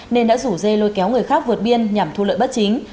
nên đã rủ dê lôi kéo người khác vượt biên nhằm thu lợi bất chính